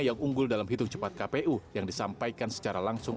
yang unggul dalam hitung cepat kpu yang disampaikan secara langsung